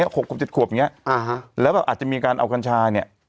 แล้วแบบอาจจะมีการเอากรรชาเนี่ย